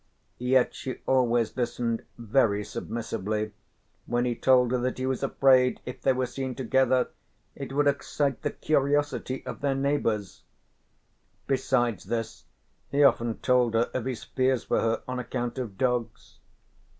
Yet she always listened very submissively when he told her that he was afraid if they were seen together it would excite the curiosity of their neighbours; besides this, he often told her of his fears for her on account of dogs.